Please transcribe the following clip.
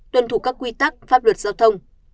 tuân thủ các quy tắc pháp luật giao thông